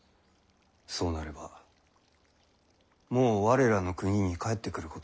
そうなればもう我らの国に帰ってくることはできまい。